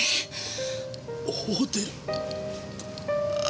ホテル。